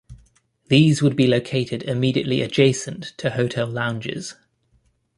These would be located immediately adjacent to hotel lounges.